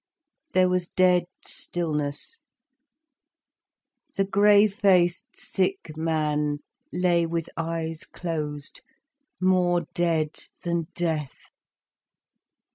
There was dead stillness. The grey faced, sick man lay with eyes closed, more dead than death.